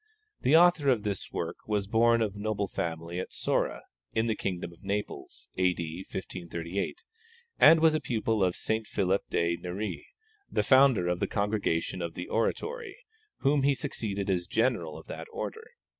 The author of this work was born of noble family at Sora, in the kingdom of Naples, A.D. 1538, and was a pupil of St. Philip de Neri, the founder of the Congregation of the Oratory, whom he succeeded as General of that order.